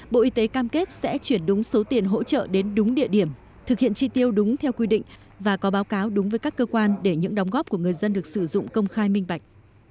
bộ y tế cam kết sẽ chuyển đúng số tiền hỗ trợ đến đúng địa điểm thực hiện tri tiêu đúng theo quy định và có báo cáo đúng với các cơ quan để những đóng góp của người dân được sử dụng công khai minh bạch